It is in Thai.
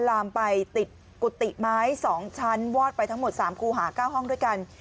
ลามไปติดกุฏิไม้๒ชั้นวอดไปทั้งหมด๓ครูหา๙ห้องด้วยกัน